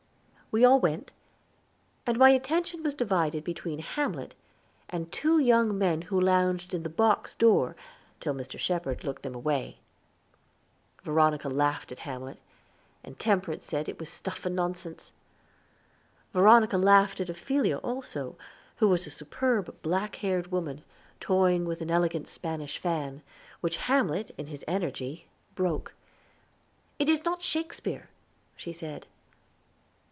We all went, and my attention was divided between Hamlet and two young men who lounged in the box door till Mr. Shepherd looked them away. Veronica laughed at Hamlet, and Temperance said it was stuff and nonsense. Veronica laughed at Ophelia, also, who was a superb, black haired woman, toying with an elegant Spanish fan, which Hamlet in his energy broke. "It is not Shakespeare," she said.